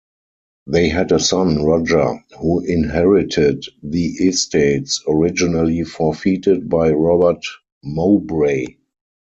They had a son, Roger, who inherited the estates originally forfeited by Robert Mowbray.